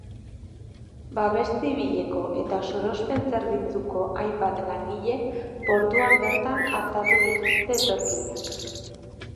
Babes zibileko eta sorospen zerbitzuko hainbat langilek portuan bertan artatu dituzte etorkinak.